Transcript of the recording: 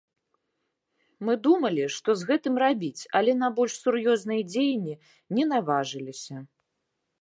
Мы думалі, што з гэтым рабіць, але на больш сур'ёзныя дзеянні не наважыліся.